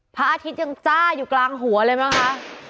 พระอาทิตย์ยังจ้าอยู่กลางหัวเลยมั้งคะ